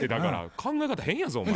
考え方変やぞお前。